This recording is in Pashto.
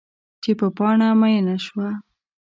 چې په پاڼه میینه شوه